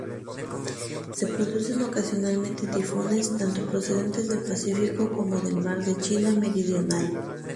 Se producen ocasionalmente tifones, tanto procedentes del Pacífico como del mar de China Meridional.